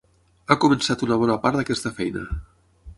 Ha començat una bona part d"aquesta feina.